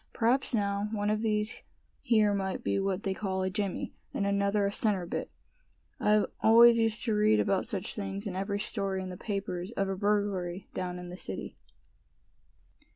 "P'raps now, one of these here might be what they call a jimmy, and another a centerbit. I always used to read about such things in every story in the papers of a burglary down in the city."